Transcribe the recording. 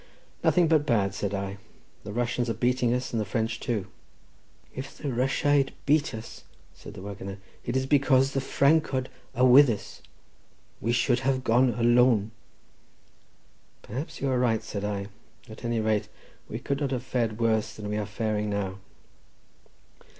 "Nothing but bad," said I; "the Russians are beating us and the French too." "If the Rusiaid beat us," said the waggoner, "it is because the Francod are with us. We should have gone alone." "Perhaps you are right," said I; "at any rate, we could not have fared worse than we are faring now."